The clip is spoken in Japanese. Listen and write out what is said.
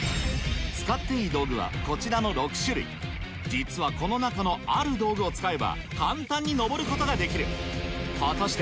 使っていい道具はこちらの６種類実はこの中のある道具を使えば簡単に登ることができる果たして